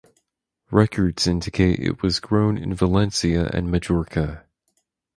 Records indicate it was grown in Valencia and Majorca.